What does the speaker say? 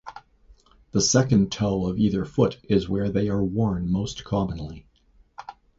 The second toe of either foot is where they are worn most commonly.